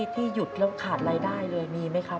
ที่หยุดแล้วขาดรายได้เลยมีไหมครับ